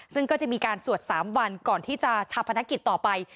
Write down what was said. ซึ่งก็จะมีการสวด๓วันก่อนที่จะชาปนกิจต่อไป